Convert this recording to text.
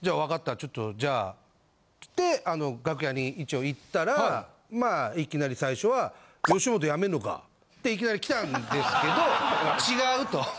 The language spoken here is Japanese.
ちょっとじゃあ」っつって楽屋に一応行ったらいきなり最初は。っていきなりきたんですけど「違う」と。